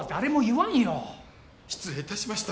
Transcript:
失礼致しました。